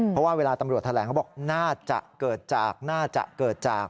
เพราะว่าเวลาตำรวจแถลงเขาบอกน่าจะเกิดจากน่าจะเกิดจาก